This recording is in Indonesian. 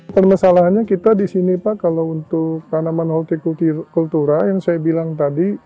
permasalahannya kita di sini pak kalau untuk tanaman holti kultultura yang saya bilang tadi